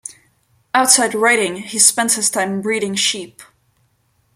Outside writing, he spends his time breeding sheep.